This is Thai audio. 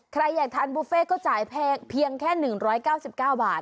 ใครอยากทานบุฟเฟ่ก็จ่ายแพงเพียงแค่๑๙๙บาท